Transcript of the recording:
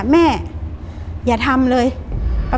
มันบังบละ